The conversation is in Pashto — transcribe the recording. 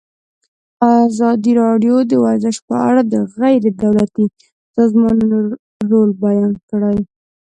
ازادي راډیو د ورزش په اړه د غیر دولتي سازمانونو رول بیان کړی.